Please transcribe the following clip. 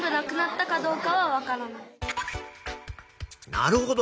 なるほど。